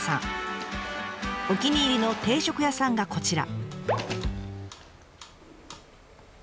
お気に入りの定食屋さんがこちら。